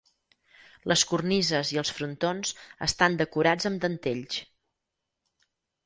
Les cornises i els frontons estan decorats amb dentells.